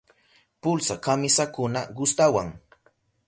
Pulsa kamisakuna gustawan.